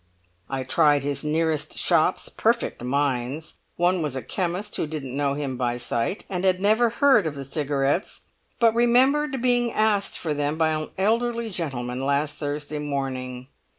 I tried his nearest shops; perfect mines! One was a chemist, who didn't know him by sight, and had never heard of the cigarettes, but remembered being asked for them by an elderly gentleman last Thursday morning!